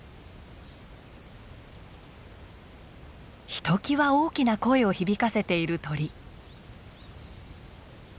ひときわ大きな声を響かせている鳥。